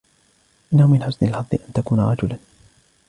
إنه من حسن الحظ أن تكون رجلاً.